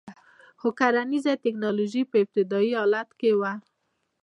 خو کرنیزه ټکنالوژي په ابتدايي حالت کې وه